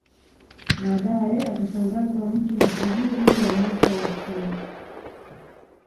Baadae akatangazwa mtu mashuhuri wa mwaka wa Forbes